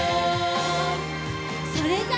それじゃあ。